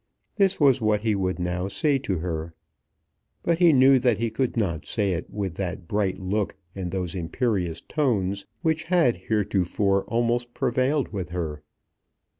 This was what he would now say to her. But he knew that he could not say it with that bright look and those imperious tones which had heretofore almost prevailed with her.